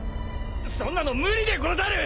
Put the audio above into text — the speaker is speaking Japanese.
そんなの無理でござる！